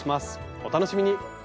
お楽しみに。